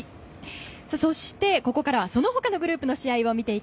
そして、ここからはその他のグループの試合です。